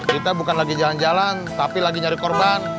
kita bukan lagi jalan jalan tapi lagi nyari korban